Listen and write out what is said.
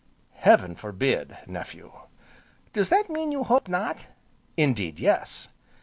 "Heaven forbid, nephew!" "Does that mean you hope not?" "Indeed yes."